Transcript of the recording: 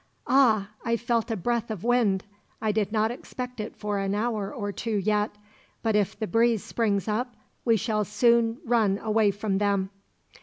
"Ah! I felt a breath of wind. I did not expect it for an hour or two yet; but if the breeze springs up, we shall soon run away from them."